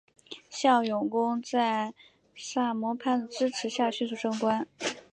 向永功在萨摩藩的支持下迅速升官。